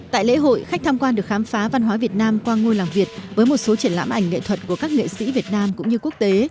tại lễ hội khách tham quan được khám phá văn hóa việt nam qua ngôi làng việt với một số triển lãm ảnh nghệ thuật của các nghệ sĩ việt nam cũng như quốc tế